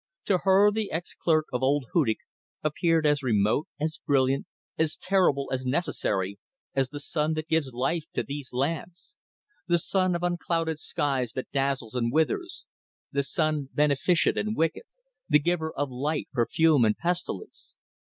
To her the ex clerk of old Hudig appeared as remote, as brilliant, as terrible, as necessary, as the sun that gives life to these lands: the sun of unclouded skies that dazzles and withers; the sun beneficent and wicked the giver of light, perfume, and pestilence.